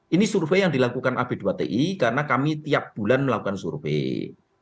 ini survei yang dilakukan ab dua ti karena kami tiap bulan melakukan survei